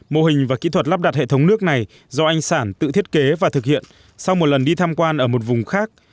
mô hình và kỹ thuật lắp đặt hệ thống nước này do anh sản tự thiết kế và thực hiện sau một lần đi tham quan ở một vùng khác